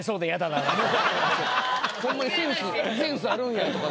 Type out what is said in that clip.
ほんまにセンスあるんやとかな